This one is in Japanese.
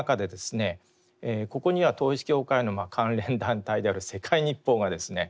ここには統一教会の関連団体である世界日報がですね